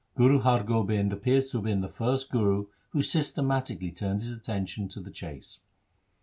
Guru Har Gobind appears to have been the first Guru who systematically turned his attention to the chase.